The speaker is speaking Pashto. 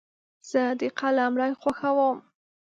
زه د قلم رنګ خوښوم.